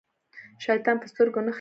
شيطان په سترګو نه ښکاري.